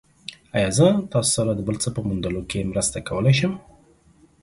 ایا زه تاسو سره د بل څه په موندلو کې مرسته کولی شم؟